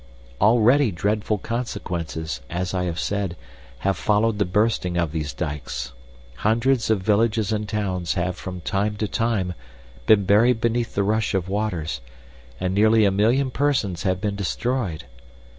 Already dreadful consequences, as I have said, have followed the bursting of these dikes. Hundreds of villages and towns have from time to time been buried beneath the rush of waters, and nearly a million persons have been destroyed.